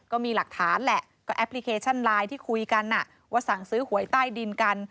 ก็มีหลักฐานแหละก็แอปพลิเคชันไลน์ที่คุยกันว่าสั่งซื้อหวยใต้ดินกัน